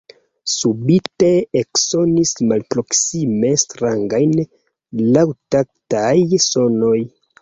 Subite eksonis malproksime strangaj laŭtaktaj sonoj.